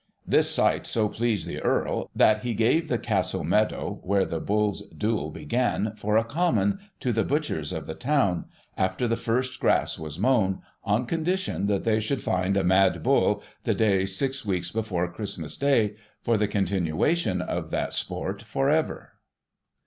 This sight so pleased the Earl, that he gave the castle meadow, where the bulls' duel began, for a common, to the butchers of the town, after the first grass was mown, on condition that they should find a mad bull the day six weeks before Christmas Day — for the continuation of that sport, for ever.